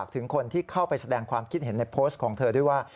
ถึงคนที่เข้าไปแสดงความคิดเห็นในโพสต์ของเธอด้วยว่า